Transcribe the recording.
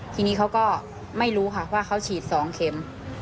ทีนี้เขาก็ไม่รู้ค่ะว่าเขาฉีด๒เข็ม